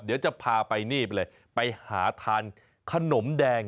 เดี๋ยวจะพาไปนี่ไปเลยไปหาทานขนมแดง